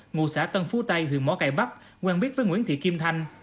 ngụ xã tân phú tây huyện mỏ cải bắc quen biết với nguyễn thị kim thanh